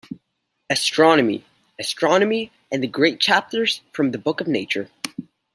"Astronomy"; "Astronomy" and "Great Chapters from the Book of Nature".